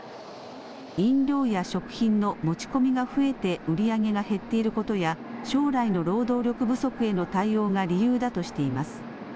飲料や食品の持ち込みが増えて売り上げが減っていることや将来の労働力不足への対応が理由だとしています。